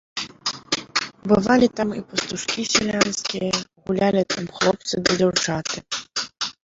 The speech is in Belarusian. Бывалі там і пастушкі сялянскія, гулялі там хлопцы ды дзяўчаты.